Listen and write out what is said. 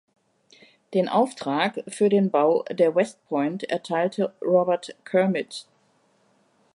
Den Auftrag für den Bau der West Point erteilte Robert Kermit.